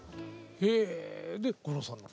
へえで五郎さんの。